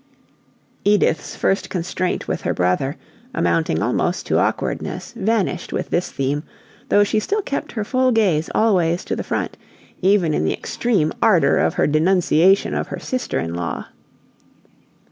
Edith's first constraint with her brother, amounting almost to awkwardness, vanished with this theme, though she still kept her full gaze always to the front, even in the extreme ardor of her denunciation of her sister in law.